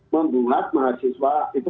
membuat mahasiswa itu